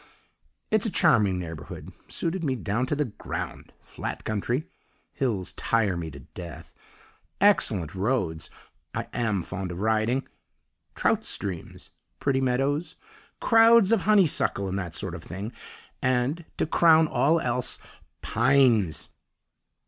"It's a charming neighbourhood suited me down to the ground: flat country (hills tire me to death), excellent roads (I am fond of riding), trout streams, pretty meadows, crowds of honeysuckle and that sort of thing, and, to crown all else, Pines!!!